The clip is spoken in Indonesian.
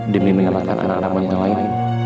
demi mengelakkan anak anak yang lain